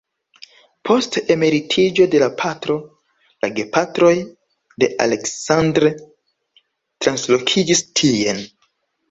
Post emeritiĝo de la patro, la gepatroj de Aleksandr translokiĝis tien.